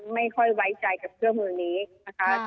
ไม่ค่อยไว้ใจกับเครื่องมือนี้นะคะ